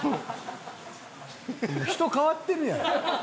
人変わってるやん。